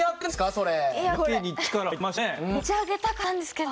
それ。